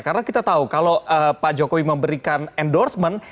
karena kita tahu kalau pak jokowi memberikan endorsement